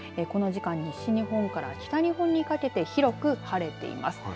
この時間、西日本から北日本にかけて広く晴れています。